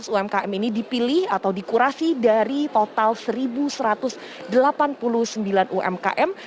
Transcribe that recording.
lima ratus umkm ini dipilih atau dikurasi dari total satu satu ratus delapan puluh sembilan umkm